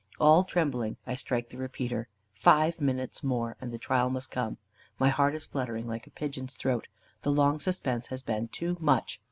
All trembling, I strike the repeater. Five minutes more, and the trial must come. My heart is fluttering like a pigeon's throat. The long suspense has been too much.